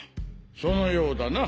そのようだな。